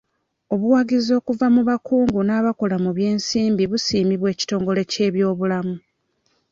Obuwagizi okuva mu bakugu n'abakola mu by'ensimbi busiimibwa ekitongole ky'ebyobulamu.